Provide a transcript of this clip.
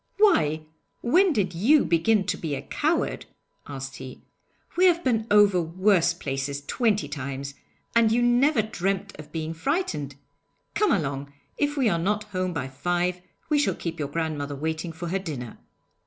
'Why, when did you begin to be a coward!' asked he. 'We have been over worse places twenty times, and you never dreamed of being frightened! Come along! If we are not home by five we shall keep your grandmother waiting for her dinner.'